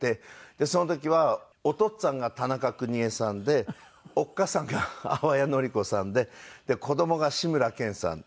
その時はおとっつぁんが田中邦衛さんでおっかさんが淡谷のり子さんで子供が志村けんさん。